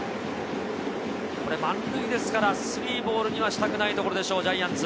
満塁ですから３ボールにはしたくないところでしょう、ジャイアンツ。